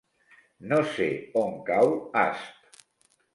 No sé on cau Asp.